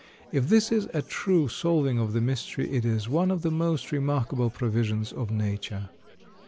If this is a true solving of the mystery it is one of the most remarkable provisions of nature.